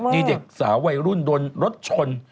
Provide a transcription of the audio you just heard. มีเด็กสาววัยรุ่นโดนรถชน